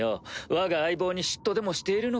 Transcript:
わが相棒に嫉妬でもしているのか？